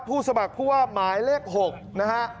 สมัครผู้ว่าหมายเลข๖นะฮะ